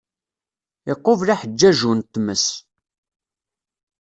Iqubel aḥeǧǧaju n tmes.